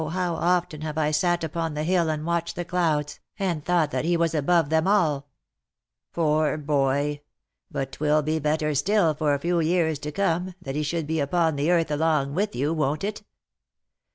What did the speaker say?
how often have I sat upon the hill and watched the clouds, and thought that he was above them all !"" Poor boy ! But 'twill be better still, for a few years to come, that he should be upon the earth along with you, won't it